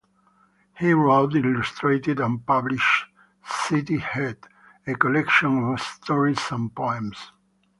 He wrote, illustrated, and published, City Heat, a Collection of Stories and Poems.